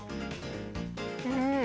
うん！